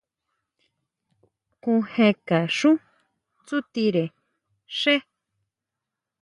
Kujekaxú tsutire xe.